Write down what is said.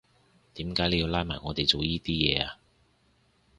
點解你要拉埋我哋做依啲嘢呀？